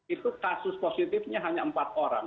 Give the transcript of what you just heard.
itu kasus positifnya hanya empat orang